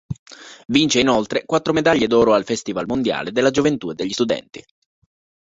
Vince, inoltre, quattro medaglie d'oro al Festival Mondiale della Gioventù e degli Studenti.